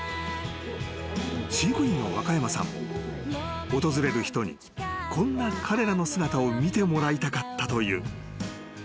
［飼育員の若山さんも訪れる人にこんな彼らの姿を見てもらいたかったという］